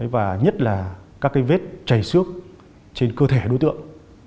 và nhất là các cái vết chảy xước trên cơ thể đối tượng